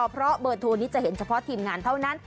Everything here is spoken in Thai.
เพราะเบอร์โทรนี้จะเห็นเฉพาะทีมงานเท่านั้น